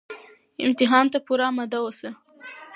امتحان ته پوره اماده اوسه